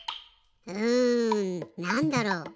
うんなんだろう？